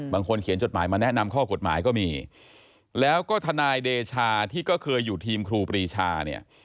เขียนจดหมายมาแนะนำข้อกฎหมายก็มีแล้วก็ทนายเดชาที่ก็เคยอยู่ทีมครูปรีชาเนี่ย